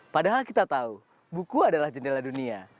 padahal kita tahu buku adalah jendela dunia